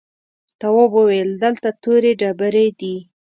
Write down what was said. تواب وويل: دلته تورې ډبرې دي.